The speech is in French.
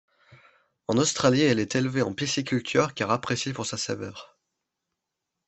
En Australie, elle est élevée en pisciculture car appréciée pour sa saveur.